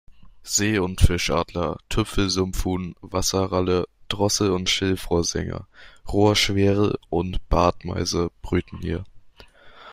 See- und Fischadler, Tüpfelsumpfhuhn, Wasserralle, Drossel- und Schilfrohrsänger, Rohrschwirl und Bartmeise brüten hier.